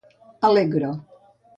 Allegro.